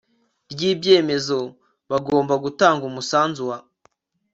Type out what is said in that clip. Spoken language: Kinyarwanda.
ry ibyemezo Bagomba gutanga umusanzu wa